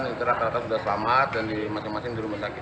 itulah kerata sudah selamat dan masing masing di rumah sakit